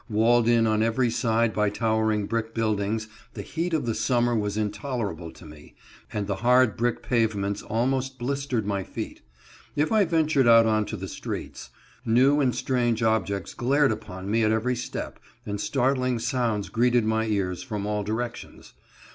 Walled in on every side by towering brick buildings, the heat of the summer was intolerable to me, and the hard brick pavements almost blistered my feet. If I ventured out on to the streets, new and strange objects glared upon me at every step, and startling sounds greeted my ears from all directions.